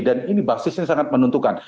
dan ini basisnya sangat menentukan